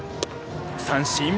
三振。